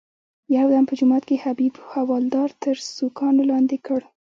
یو دم په جومات کې حبیب حوالدار تر سوکانو لاندې کړ.